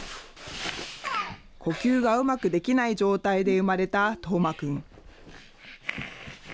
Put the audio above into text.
呼吸がうまくできない状態で産まれた叶真くん。